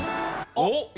あっ！